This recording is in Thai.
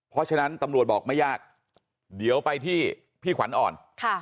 เพราะฉะนั้นตำรวจบอกไม่ยากเดี๋ยวไปที่พี่ขวัญอ่อน